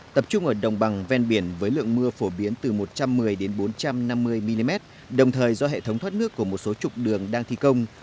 tập trung ở đồng bằng ven biển với lượng mưa phổ biến từ một trăm một mươi bốn trăm năm mươi mm đồng thời do hệ thống thoát nước của một số trục đường đang thi công